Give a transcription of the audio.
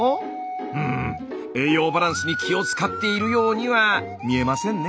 うん栄養バランスに気を遣っているようには見えませんね。